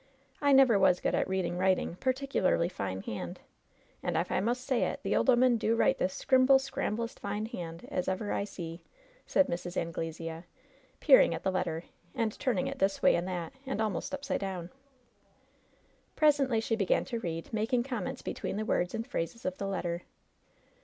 I never was good at reading writ ing, particularly fine hand, and, if I must say it, the ole 'oman do write the scrimble scramblest fine hand as ever I see," said Mrs. Anglesea, peering at the letter, and turning it this way and that, and almost upside down. Presently she began to read, making comments be tween the words and phrases of the letter.